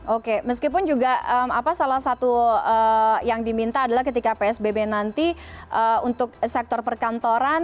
oke meskipun juga salah satu yang diminta adalah ketika psbb nanti untuk sektor perkantoran